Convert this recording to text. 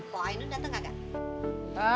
pok ainu datang gak